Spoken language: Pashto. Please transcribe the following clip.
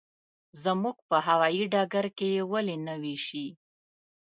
زموږ په هوايي ډګر کې یې ولې نه وېشي.